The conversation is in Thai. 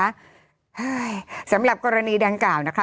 ใช่สำหรับกรณีดังกล่าวนะคะ